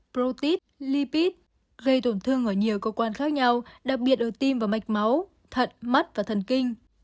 protid libid gây tổn thương ở nhiều cơ quan khác nhau đặc biệt ở tim và mạch máu thận mắt và thần kinh